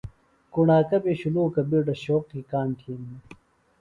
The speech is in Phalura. کݨاکہ بیۡ شُلوکہ بیڈہ شوق کی کاݨ تھین دےۡ